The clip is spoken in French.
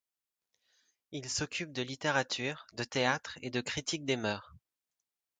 Il s'occupe de littérature, de théâtre et de critique des mœurs.